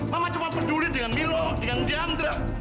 mama cuma peduli dengan milo dengan diamdra